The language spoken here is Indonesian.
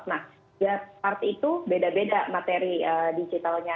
nah part itu beda beda materi digitalnya